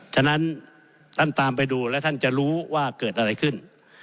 ฉะนั้นท่านตามไปดูแล้วท่านจะรู้ว่าเกิดอะไรขึ้น